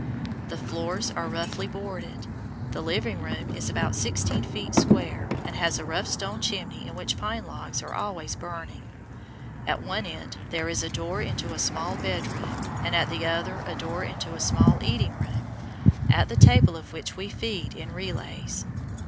The floors are roughly boarded. The "living room" is about sixteen feet square, and has a rough stone chimney in which pine logs are always burning. At one end there is a door into a small bedroom, and at the other a door into a small eating room, at the table of which we feed in relays.